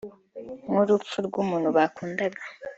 nk’urupfu rw’umuntu bakundaga